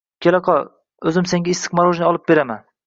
Kela qol, o‘zim senga issiq morojniy olib beraman.